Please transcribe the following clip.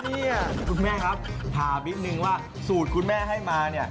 คุณแม่ครับถามนิดหนึ่งว่าสูตรคุณแม่ให้มา